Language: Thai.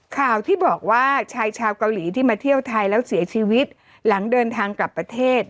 ข่าวที่บอกว่าชายชาวเกาหลีที่มาเที่ยวไทยแล้วเสียชีวิตหลังเดินทางกลับประเทศ